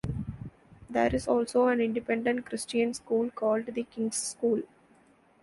There is also an independent Christian school called the King's School.